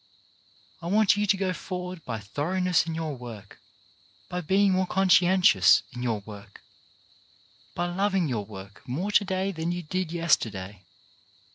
I want you to go forward by thoroughness in your work ; by being more conscientious in your work; by loving your work more to day than you did yesterday.